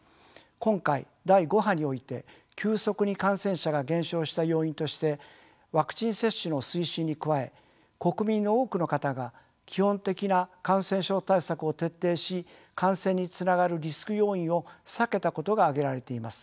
今回第５波において急速に感染者が減少した要因としてワクチン接種の推進に加え国民の多くの方が基本的な感染症対策を徹底し感染につながるリスク要因を避けたことが挙げられています。